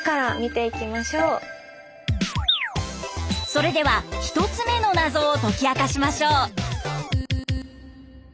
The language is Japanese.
それでは１つ目の謎を解き明かしましょう。